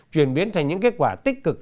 truyền biến thành những kết quả tích cực